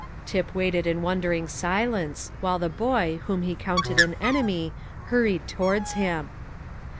Tip waited in wondering silence, while the boy, whom he counted an enemy, hurried towards him.